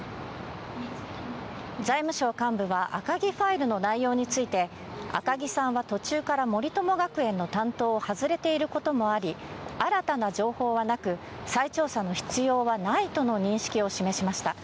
財務省幹部は、赤木ファイルの内容について、赤木さんは途中から森友学園の担当を外れていることもあり、新たな情報はなく、再調査の必要はないとの認識を示しました。